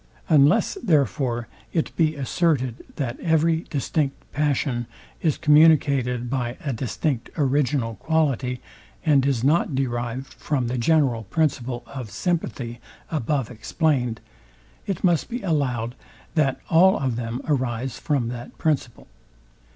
Unless, therefore, it be asserted, that every distinct passion is communicated by a distinct original quality, and is not derived from the general principle of sympathy above explained, it must be allowed, that all of them arise from that principle.